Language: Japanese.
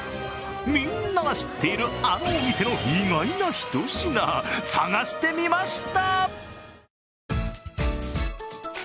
みんなが知っているあのお店の意外なひと品、探してみました。